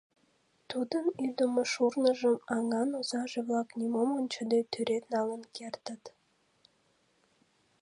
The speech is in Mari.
Тудын ӱдымӧ шурныжым аҥан озаже-влак, нимом ончыде, тӱред налын кертыт.